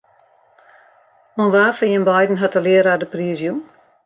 Oan wa fan jim beiden hat de learaar de priis jûn?